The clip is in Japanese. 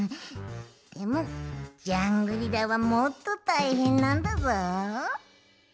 でもジャングリラはもっとたいへんなんだぞ！